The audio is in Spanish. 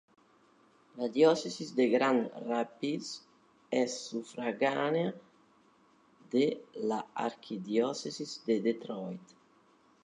La Diócesis de Grand Rapids es sufragánea d la Arquidiócesis de Detroit.